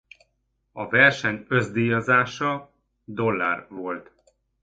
A verseny összdíjazása dollár volt.